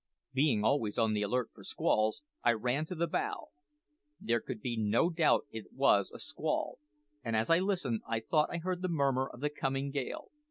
Being always on the alert for squalls, I ran to the bow. There could be no doubt it was a squall, and as I listened I thought I heard the murmur of the coming gale.